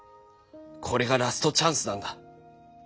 これがラストチャンスなんだ。